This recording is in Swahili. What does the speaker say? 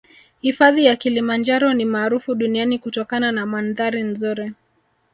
Hifadhi ya kilimanjaro ni maarufu duniani kutokana na mandhari nzuri